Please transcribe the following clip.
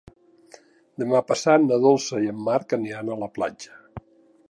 Demà passat na Dolça i en Marc aniran a la platja.